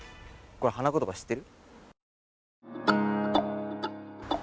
花言葉知ってる？